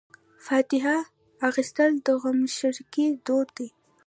فاتحه اخیستل د غمشریکۍ دود دی.